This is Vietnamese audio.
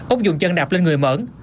úc dùng chân đạp lên người mẫn